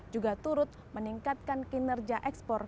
juta surut menengkapkan kinerja ekspor